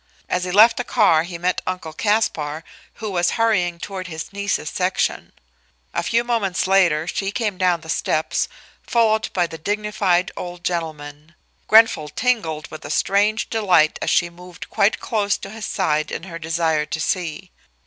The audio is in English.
As he left the car he met Uncle Caspar, who was hurrying toward his niece's section. A few moments later she came down the steps, followed by the dignified old gentleman. Grenfall tingled with a strange delight as she moved quite close to his side in her desire to see.